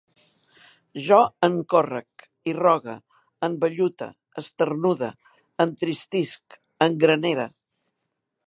Jo encórrec, irrogue, envellute, esternude, entristisc, engranere